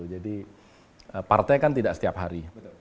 jadi partai kan tidak setiap hari